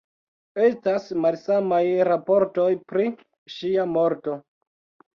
Estas malsamaj raportoj pri ŝia morto.